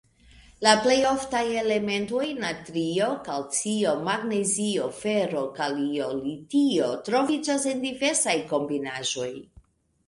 La plej oftaj elementoj natrio, kalcio, magnezio, fero, kalio, litio troviĝas en diversaj kombinaĵoj.